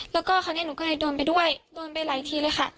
แล้วก็คราวนี้หนูก็เลยโดนไปด้วยโดนไปหลายทีเลยค่ะ